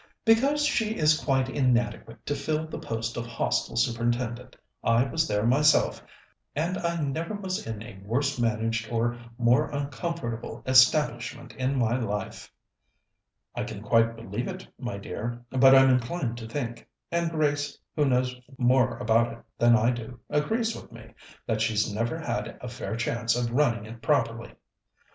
"Because she is quite inadequate to fill the post of Hostel Superintendent. I was there myself, and I never was in a worse managed or more uncomfortable establishment in my life." "I can quite believe it, my dear, but I'm inclined to think and Grace, who knows more about it than I do, agrees with me that she's never had a fair chance of running it properly."